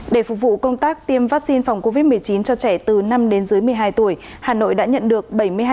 để phục vụ công tác tiêm vaccine phòng covid một mươi chín cho trẻ từ năm đến dưới một mươi hai tuổi hà nội đã nhận được